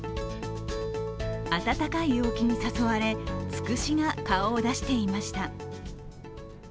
暖かい陽気に誘われ、つくしが顔を出していました。